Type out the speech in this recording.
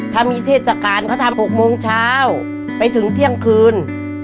ถ้ามีเทศกาลเขาทำ๖โมงเช้าไปถึงเที่ยงคืน